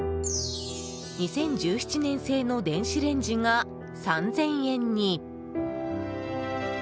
２０１７年製の電子レンジが３０００円に。